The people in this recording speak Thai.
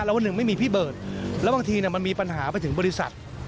แล้ววันหนึ่งไม่มีพี่เบิร์ดแล้วบางทีมันมีปัญหาไปถึงบริษัท